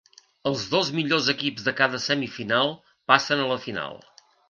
Els dos millors equips de cada semifinal passen a la final.